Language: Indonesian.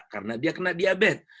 karena dia kena diabetes